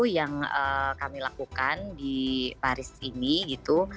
yang kami lakukan di paris ini gitu